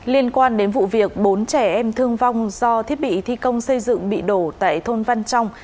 liên quan đến vụ việc bốn trẻ em thương vong do thiết bị thi công xây dựng bị đổ tại thôn văn trong